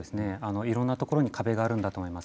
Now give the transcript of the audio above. いろんなところに壁があるんだと思います。